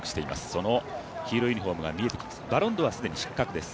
その黄色いユニフォームが見えてきます。